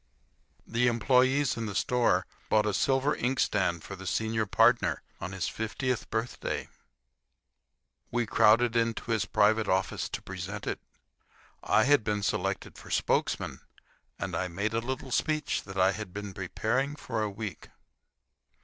The employees in the store bought a silver inkstand for the senior partner on his fiftieth birthday. We crowded into his private office to present it. I had been selected for spokesman, and I made a little speech that I had been preparing for a week.